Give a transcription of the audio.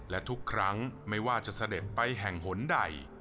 และทุกครั้งไม่ว่าจะเสด็จไปแห่งหนใด